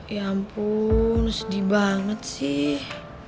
ya ampun sedih banget sih